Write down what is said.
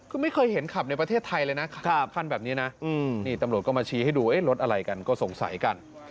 คือไม่เคยเห็นขับในประเทศไทยเลยนะคันแบบนี้นะนี่ตำรวจก็มาชี้ให้ดูรถอะไรกันก็สงสัยกัน